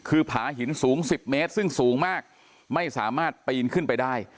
คือผาหินสูง๑๐เมตรซึ่งสูงมากไม่สามารถปีนขึ้นไปได้